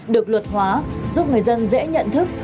được luật hóa giúp người dân dễ nhận thức